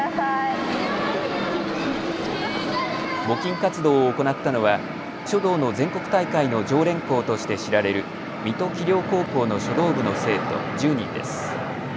募金活動を行ったのは書道の全国大会の常連校として知られる水戸葵陵高校の書道部の生徒、１０人です。